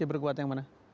diperkuat yang mana